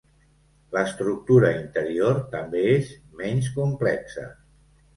L'estructura interior també és menys complexa.